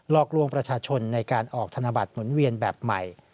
อกลวงประชาชนในการออกธนบัตรหมุนเวียนแบบใหม่